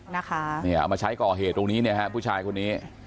นี่เอามาใช้ก่อเหตุตรงนี้นะฮะผู้ชายคนนี้